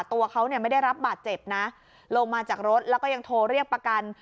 ตัวเขาเนี่ยไม่ได้รับบาดเจ็บนะลงมาจากรถแล้วก็ยังโทรเรียกประกัน